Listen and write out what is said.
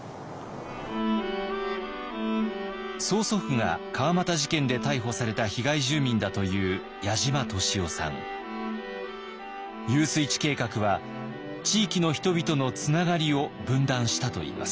曽祖父が川俣事件で逮捕された被害住民だという遊水池計画は地域の人々のつながりを分断したといいます。